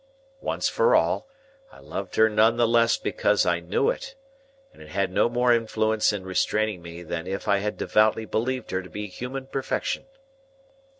Once for all; I loved her none the less because I knew it, and it had no more influence in restraining me than if I had devoutly believed her to be human perfection.